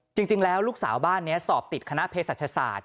จริงแล้วลูกสาวบ้านนี้สอบติดคณะเพศศาสตร์